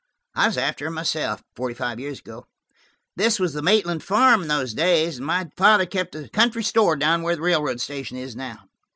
I was after her myself, forty five years ago. This was the Maitland farm in those days, and my father kept a country store down where the railroad station is now."